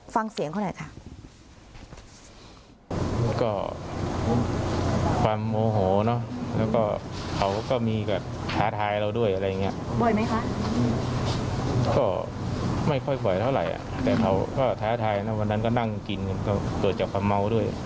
ฟังเสียงเขาหน่อยค่ะ